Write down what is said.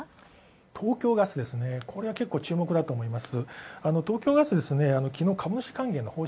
東京ガスですね、これは注目だと思います。